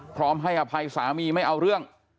พร้อมให้อภัยสามีไม่เอาเรื่อง